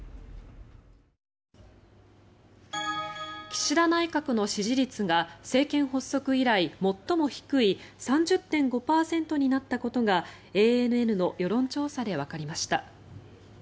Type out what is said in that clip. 岸田内閣の支持率が政権発足以来最も低い３０．５％になったことがＡＮＮの世論調査でわかりました。